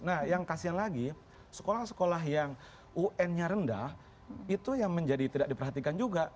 nah yang kasihan lagi sekolah sekolah yang un nya rendah itu yang menjadi tidak diperhatikan juga